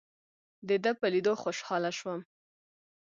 دده په لیدو خوشاله شوم.